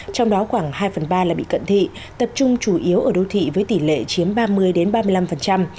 trong đó khoảng hai phần ba là bị cận thị tập trung chủ yếu ở đô thị với tỷ lệ chiếm ba mươi ba mươi năm